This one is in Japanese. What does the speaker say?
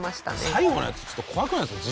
最後のやつちょっと怖くないですか？